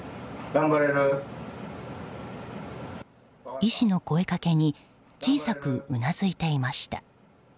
医師の声掛けに小さくうなずいていました。